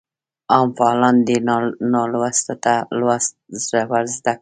عام فعالان دي نالوستو ته لوست ورزده کړي.